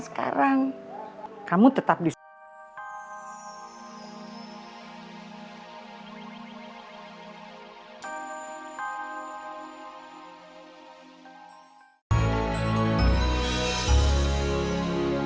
seharusnya saya juga jadi pengasuh anaknya